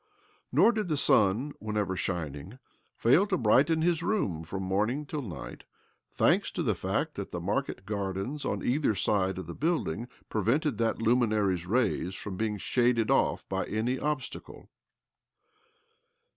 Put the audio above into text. Nor did the sun, whenever shining, fail to brighten his room from morning till night— thanks to the fact that the market gardens on either side of the building pre vented that luminary's rays from being shaded off by any obstacle.